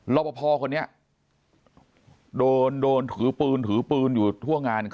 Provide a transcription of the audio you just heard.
รอปภคนนี้โดนถือปืนอยู่ทั่วงาน